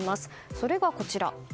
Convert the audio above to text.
それがこちら。